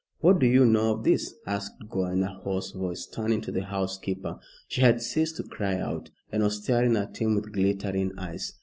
"What do you know of this?" asked Gore, in a hoarse voice, turning to the housekeeper. She had ceased to cry out, and was staring at him with glittering eyes.